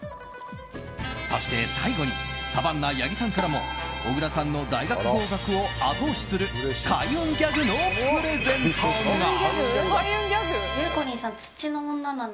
そして、最後にサバンナ八木さんからも小倉さんの大学合格を後押しする開運ギャグのプレゼントが。